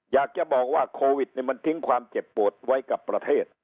อยากจะบอกว่าโควิดมันทิ้งความเจ็บปวดไว้กับประเทศ